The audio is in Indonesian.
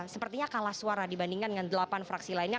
sepertinya kalah suara dibandingkan dengan delapan fraksi lainnya